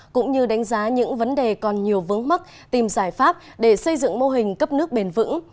cũng như đánh giá những vấn đề còn nhiều vướng mắt tìm giải pháp để xây dựng mô hình cấp nước bền vững